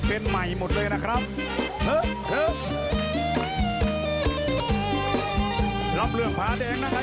เชิง